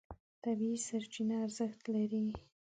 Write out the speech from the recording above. طبیعي سرچینه ارزښت لري.